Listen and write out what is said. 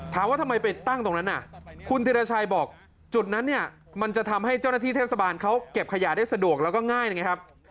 ถามว่าทำไมไปตั้งตรงนั้นน่ะคุณธิรชัยบอกจุดนั้นเนี่ยมันจะทำให้เจ้าหน้าที่เทศบาลเขาเก็บขยะได้สะดวกแล้วก็ง่ายนะครับ